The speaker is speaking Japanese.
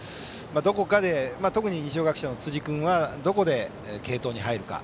どこかで、特に二松学舎の辻君がどこで継投に入るか。